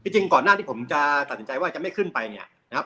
จริงก่อนหน้าที่ผมจะตัดสินใจว่าจะไม่ขึ้นไปเนี่ยนะครับ